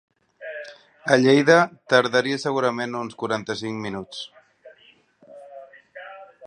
A Lleida tardaria segurament uns quaranta-cinc minuts.